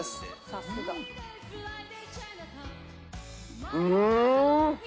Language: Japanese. さすが。うーん！